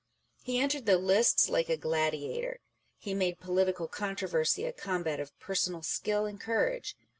He entered the lists like a gladiator. He made political controversy a combat of personal skill and courage.